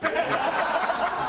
ハハハハ！